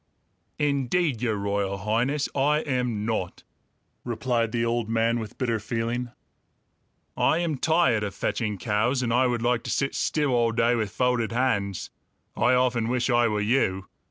"Indeed, Your Royal Highness, I am not!" replied the old man with bitter feeling. "I am tired of fetching cows, and I would like to sit still all day with folded hands. I often wish I were you.